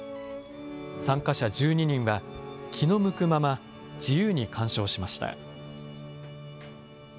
参加者１２人は、気の向くまま、自由に鑑賞しました。